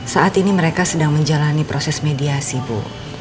saat ini mereka sedang menjalani proses mediasi bu